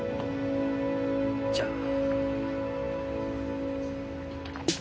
じゃあ。